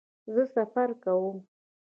زه سفر کوم